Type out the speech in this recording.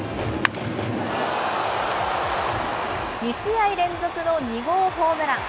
２試合連続の２号ホームラン。